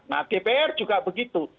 nah dpr juga begitu